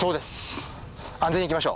安全に行きましょう。